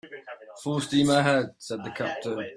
"Full steam ahead," said the captain.